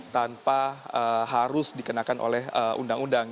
tanpa harus dikenakan oleh undang undang